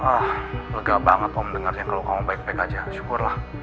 ah lega banget om mendengarnya kalau kamu baik baik aja syukurlah